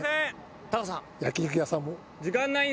タカさん。